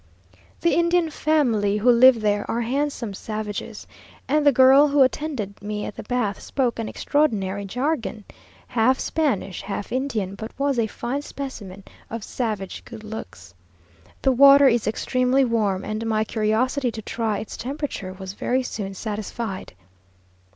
The Indian family who live there are handsome savages; and the girl who attended me at the bath spoke an extraordinary jargon, half Spanish, half Indian, but was a fine specimen of savage good looks. The water is extremely warm, and my curiosity to try its temperature was very soon satisfied.